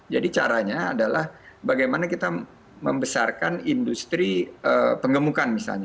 jadi caranya adalah bagaimana kita membesarkan industri pengemukan misalnya